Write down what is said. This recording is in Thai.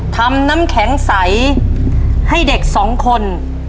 ทำน้ำแข็งใสให้เด็กสองคน